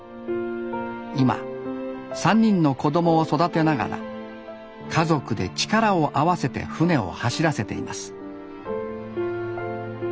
今３人の子供を育てながら家族で力を合わせて舟を走らせています